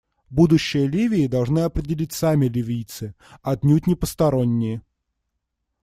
Будущее Ливии должны определить сами ливийцы, а отнюдь не посторонние.